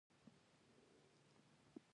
قرار ګله له عصمت قانع یې واوره.